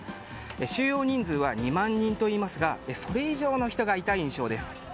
収容人数は２万人といいますがそれ以上の人がいた印象です。